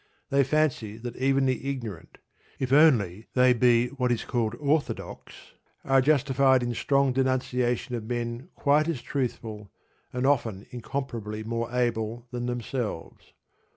They fancy that even the ignorant, if only they be what is called "orthodox," are justified in strong denunciation of men quite as truthful, and often incomparably more able, than themselves.